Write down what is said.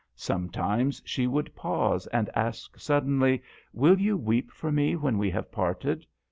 Sometimes she would pause and ask sud denly, " Will you weep for me when we have parted